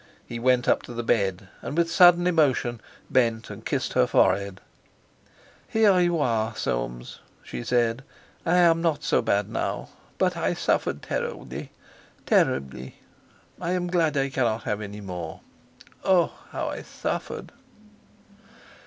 He went up to the bed, and with sudden emotion bent and kissed her forehead. "Here you are then, Soames," she said. "I am not so bad now. But I suffered terribly, terribly. I am glad I cannot have any more. Oh! how I suffered!"